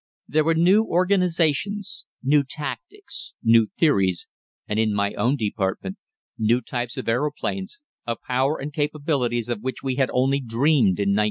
There were new organizations, new tactics, new theories, and in my own department, new types of aeroplanes, of power and capabilities of which we had only dreamed in 1916.